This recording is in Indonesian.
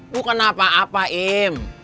bukan apa apa im